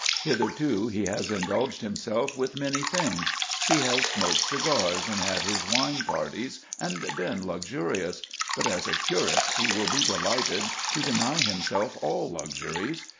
Hitherto he has indulged himself with many things. He has smoked cigars, and had his wine parties, and been luxurious; but as a curate he will be delighted to deny himself all luxuries.